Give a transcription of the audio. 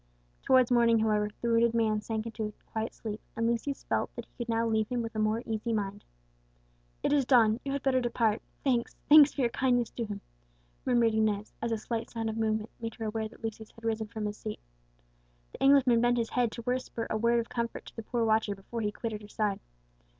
Towards morning, however, the wounded man sank into quiet sleep; and Lucius felt that he could now leave him with a more easy mind. "It is dawn you had better depart; thanks, thanks for your kindness to him," murmured Inez, as a slight sound of movement made her aware that Lucius had risen from his seat. The Englishman bent his head to whisper a word of comfort to the poor watcher before he quitted her side.